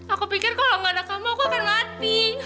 aku pikir kalau ga ada kamu aku akan mati